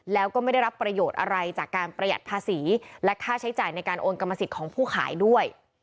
แล้วก็ไม่ได้รับประโยชน์อะไรจากการประหยัดภาษีและค่าใช้จ่ายในการโอนกรรมสิทธิ์ของผู้ขายด้วย